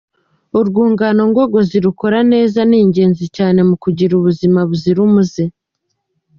Urwungano ngogozi rukora neza ni ingenzi cyane mu kugira ubuzima buzira umuze.